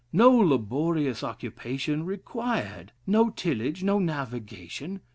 No laborious occupation required: no tillage: no navigation.